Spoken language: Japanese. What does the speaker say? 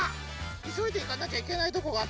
いそいでいかなきゃいけないとこがあったんだった。